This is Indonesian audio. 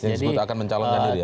jadi sebetulnya akan mencalonkan diri